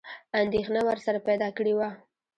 انېدښنه ورسره پیدا کړې وه.